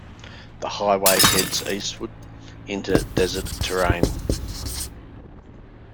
The highway heads eastward into desert terrain.